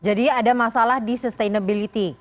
jadi ada masalah di sustainability